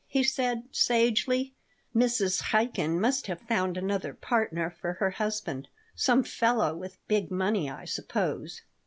he said, sagely. "Mrs. Chaikin must have found another partner for her husband. Some fellow with big money, I suppose."